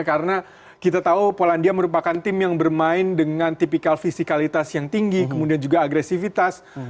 karena kita tahu polandia merupakan tim yang bermain dengan tipikal fisikalitas yang tinggi kemudian juga agresivitas